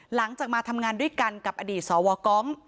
หลังจากมาทำงานด้วยกันกับอดีตสวกอง